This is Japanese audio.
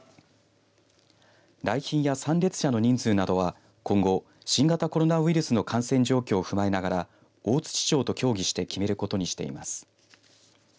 来賓や参列者の人数などは今後、新型コロナウイルスの感染状況を踏まえながら大槌町と協議して決めることにしています。